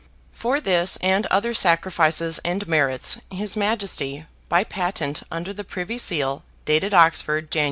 For this, and other sacrifices and merits, his Majesty, by patent under the Privy Seal, dated Oxford, Jan.